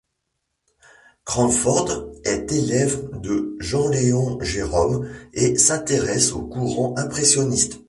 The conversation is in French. Cranford est élève de Jean-Léon Gérôme et s'intéresse au courant impressionniste.